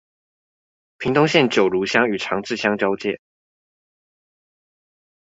屏東縣九如鄉與長治鄉交界